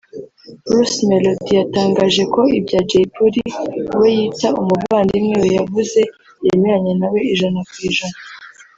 Bruce Melody yatangaje ko ibyo Jay Polly (we yita umuvandimwe we) yavuze yemeranya nawe ijana ku ijana